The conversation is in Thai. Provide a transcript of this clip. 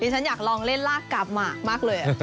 ฉันอยากลองเล่นลากกาบหมากเลย